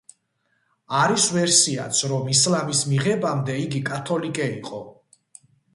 არის ვერსიაც, რომ ისლამის მიღებამდე იგი კათოლიკე იყო.